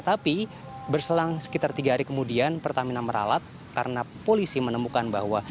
tapi berselang sekitar tiga hari kemudian pertamina meralat karena polisi menemukan bahwa